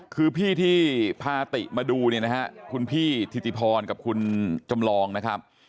คือพี่ที่พาติมาดูเนี่ยนะฮะคุณพี่ถิติพรกับคุณจำลองนะครับ